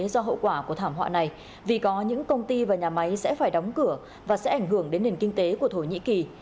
do hậu quả của thảm họa này vì có những công ty và nhà máy sẽ phải đóng cửa và sẽ ảnh hưởng đến nền kinh tế của thổ nhĩ kỳ